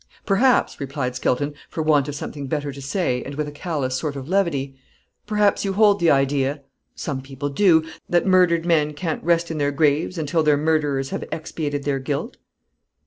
"Perhaps," replied Skelton, for want of something better to say, and with a callous sort of levity; "perhaps you hold the idea some people do that murdered men can't rest in their graves until their murderers have expiated their guilt?"